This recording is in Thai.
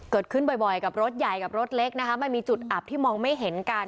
เกิดขึ้นบ่อยกับรถใหญ่กับรถเล็กนะคะมันมีจุดอับที่มองไม่เห็นกัน